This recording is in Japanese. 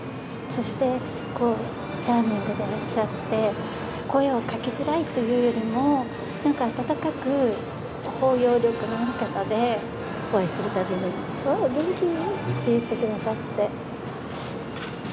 そしてこう、チャーミングでいらっしゃって、声をかけづらいというよりも、なんか温かく、包容力のある方で、お会いするたびに、おー、元気ー？って言ってくださって。